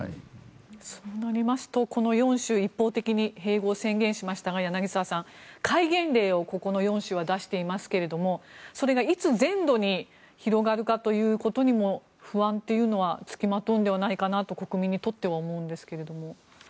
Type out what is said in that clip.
そうなりますと、この４州一方的に併合を宣言しましたが戒厳令をここの４州は出していますがそれが、いつ全土に広がるかということにも国民にとっては不安というのはつきまとうのではないかなと思うんですが。